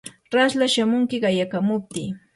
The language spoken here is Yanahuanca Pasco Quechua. raslla shamunki qayakamuptii.